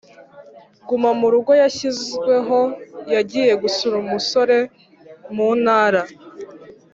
Guma mu rugo yashyizweho yagiye gusura umusore mu ntara